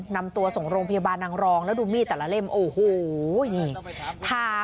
นำตัวส่งโรงพยาบาลนางรองแล้วดูมีดแต่ละเล่มโอ้โหนี่ทา